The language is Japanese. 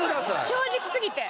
正直すぎて。